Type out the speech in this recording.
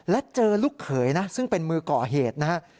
และเจอลูกเขยนะซึ่งเป็นมือก่อเหตุนะฮะ